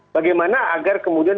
bagaimana agar kemudian